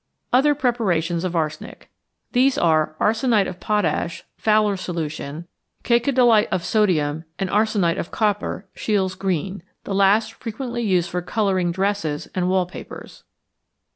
=Other Preparations of Arsenic.= These are arsenite of potash (Fowler's solution), cacodylate of sodium, and arsenite of copper (Scheele's green), the last frequently used for colouring dresses and wall papers.